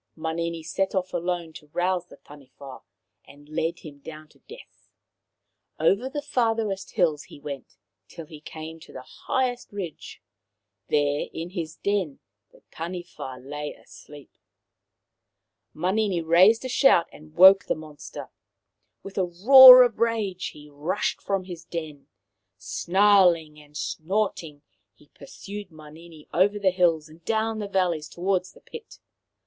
Manini set off alone to rouse the Taniwha and lead him down to death. Over the farthest hills he went, till he came to the highest ridge. There in his den the Taniwha lay asleep. Manini raised a shout and woke the monster. With a roar of rage he rushed from his den. Snarl ing and snorting, he pursued Manini over the hills and down the valleys towards the pit.